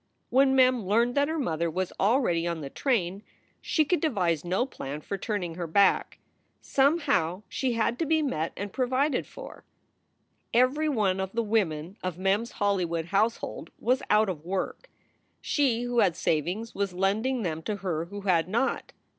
When Mem learned that her mother was already on the SOULS FOR SALE 201 train, she could devise no plan for turning her back. Some how she had to be met and provided for. Every one of the women of Mem s Hollywood household was out of work. She who had savings was lending them to her who had not.